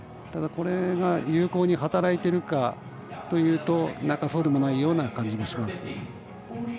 ただ、これが有効に働いてるかというとそうでもないような感じもします。